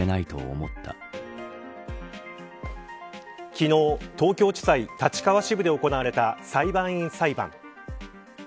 昨日、東京地裁立川支部で行われた裁判員裁判。